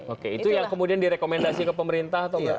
oke itu yang kemudian direkomendasi ke pemerintah atau nggak